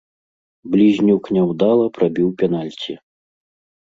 Блізнюк няўдала прабіў пенальці.